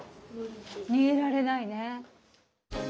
にげられないね。